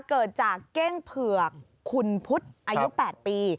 เกิดจากเก้งเผือกคุณพุทธอายุ๘ปี